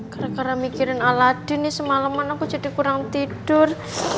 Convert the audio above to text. karena mikirin aladin semaleman aku jadi kurang tidur